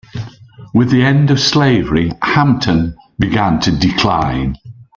With the end of slavery, Hampton began to decline.